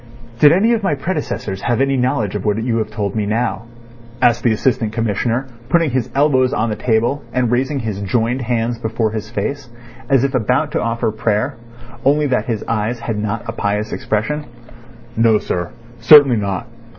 "Did any of my predecessors have any knowledge of what you have told me now?" asked the Assistant Commissioner, putting his elbows on the table and raising his joined hands before his face, as if about to offer prayer, only that his eyes had not a pious expression. "No, sir; certainly not.